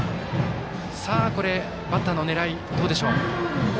バッターの狙い、どうでしょう。